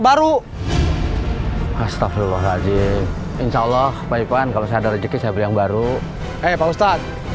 baru astagfirullahaladzim insyaallah pak ipan kalau saya ada rezeki saya beli yang baru eh pak ustadz